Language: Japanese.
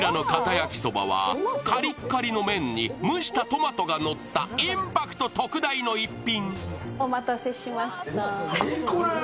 焼きそばはカリッカリの麺に蒸したトマトがのった、インパクト特大の逸品。